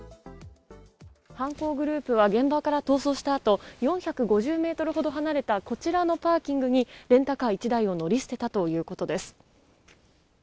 犯行グループは現場から逃走した後、４５０メートルほど離れたこちらのパーキングにレンタカー１台を乗り捨てたということです。